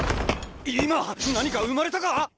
今何か生まれたか！？